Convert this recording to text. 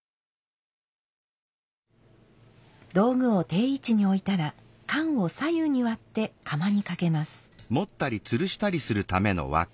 道具を定位置に置いたら鐶を左右に割って釜にかけます。